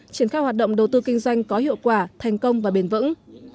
triển khai hoạt động đầu tư kinh doanh có hiệu quả thành công và bền vững